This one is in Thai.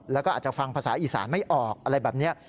แล้วก็อาจจะฟังภาษาอีสานไม่ออกอะไรแบบนี้